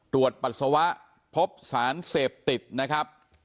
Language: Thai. ปัสสาวะพบสารเสพติดนะครับ